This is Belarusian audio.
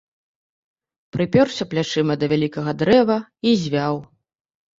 Прыпёрся плячыма да вялікага дрэва і звяў.